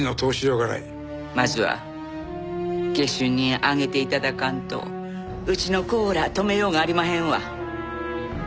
まずは下手人挙げて頂かんとうちの子ら止めようがありまへんわ。